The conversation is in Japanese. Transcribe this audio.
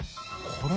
これ。